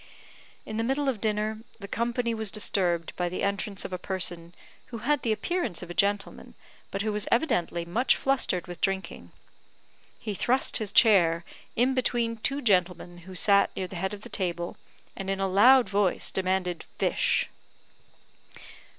In the middle of dinner, the company was disturbed by the entrance of a person who had the appearance of a gentleman, but who was evidently much flustered with drinking. He thrust his chair in between two gentlemen who sat near the head of the table, and in a loud voice demanded fish.